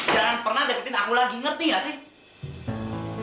jangan pernah deketin aku lagi ngerti gak sih